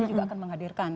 dia juga akan menghadirkan